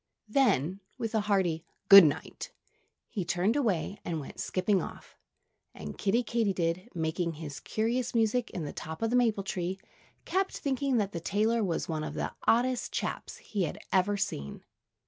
Then, with a hearty "Good night!" he turned away and went skipping off. And Kiddie Katydid, making his curious music in the top of the maple tree, kept thinking that the tailor was one of the oddest chaps he had ever seen.